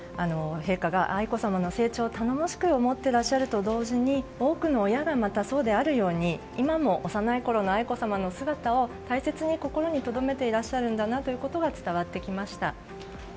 陛下が愛子さまの成長を頼もしく思ってらっしゃると同時に多くの親がまたそうであるように今も幼いころの愛子さまの姿を大切に心にとどめていらっしゃるんだなということが伝わってきました。